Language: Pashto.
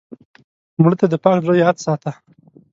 مړه ته د پاک زړه یاد ساته